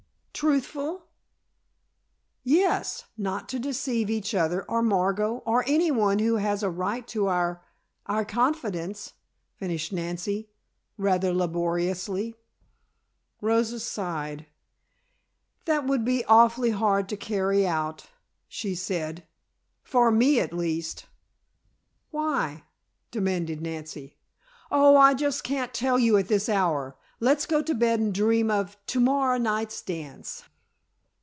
"Truthful?" "Yes. Not to deceive each other or Margot or anyone who has a right to our our confidence," finished Nancy, rather laboriously. Rosa sighed. "That would be awfully hard to carry out," she said. "For me, at least." "Why?" demanded Nancy. "Oh, I just can't tell you at this hour. Let's go to bed and dream of to morrow night's dance."